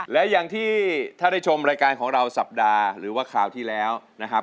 และอย่างที่ถ้าได้ชมรายการของเราสัปดาห์หรือว่าข่าวที่แล้วนะครับ